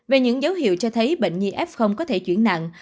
về những dấu hiệu cho thấy bệnh nhi f có thể chuyển nặng